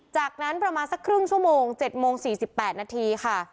จากนั้นประมาณสักครึ่งชั่วโมงเจ็ดโมงสี่สิบแปดนาทีค่ะ